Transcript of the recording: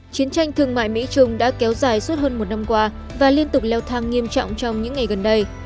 chiến tranh thương mại mỹ trung đã kéo dài suốt hơn một năm qua và liên tục leo thang nghiêm trọng trong những ngày gần đây